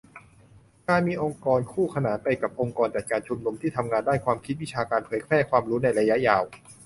การมีองค์กรคู่ขนานไปกับองค์กรจัดการชุนนุม ที่ทำงานด้านความคิด วิชาการ เผยแพร่ความรู้ในระยะยาว